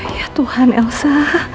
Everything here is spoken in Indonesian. ya tuhan elsa